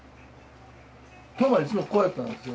冬生はいつもここやったんですよ。